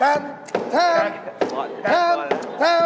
เอางี้หน่อยไงยาย